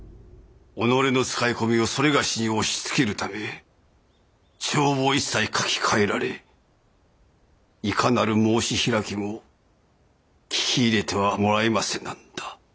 己の使い込みを某に押しつけるため帳簿一切書き換えられいかなる申し開きも聞き入れてはもらえませなんだ。